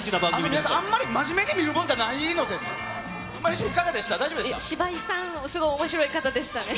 皆さん、あんまり真面目に見るもんじゃないのでね。